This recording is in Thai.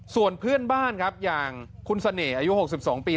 ส่วนเพื่อนบ้านครับอย่างคุณเสน่ห์อายุ๖๒ปี